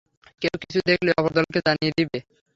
কেউ কিছু দেখলে অপর দলকে জানিয়ে দিবে।